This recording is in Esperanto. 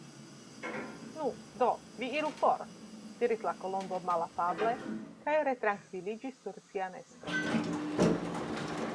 "Nu, do, vi iru for!" diris la Kolombo malafable, kaj retrankviliĝis sur sia nesto.